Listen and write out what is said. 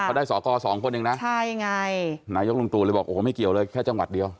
เขาได้สอกรสองคนเองนะใช่ไงนายกลุงตูเลยบอกโอ้โหไม่เกี่ยวเลยแค่จังหวัดเดียว